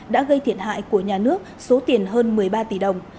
đã gây thiệt hại của nhà nước số tiền hơn một mươi ba tỷ đồng